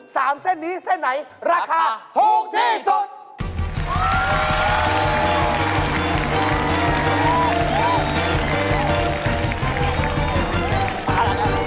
เส้นนี้เส้นไหนราคาถูกที่สุด